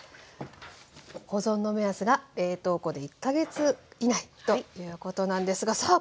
保存の目安が冷凍庫で１か月以内ということなんですがさあ